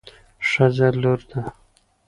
ښځه لور ده